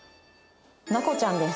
「なこちゃんです」